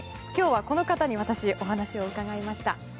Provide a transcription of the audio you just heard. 今日はこの方に私、お話を伺いました。